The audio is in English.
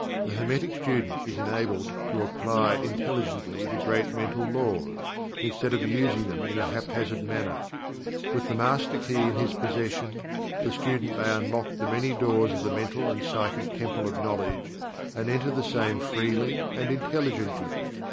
The Hermetic Student is enabled to apply intelligently the great Mental Laws, instead of using them in a haphazard manner. With the Master Key in his possession, the student may unlock the many doors of the mental and psychic temple of knowledge, and enter the same freely and intelligently.